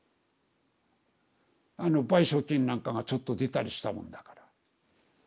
賠償金なんかがちょっと出たりしたもんだから。